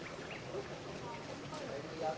พวกเขาถ่ายมันตรงกลาง